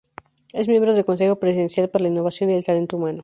Es miembro del Consejo Presidencial para la Innovación y el Talento Humano.